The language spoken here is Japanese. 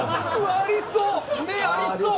ありそう。